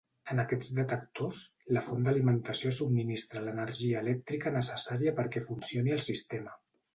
En aquests detectors, la font d'alimentació subministra l'energia elèctrica necessària perquè funcioni el sistema.